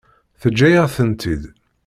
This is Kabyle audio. Teǧǧa-yaɣ-tent-id.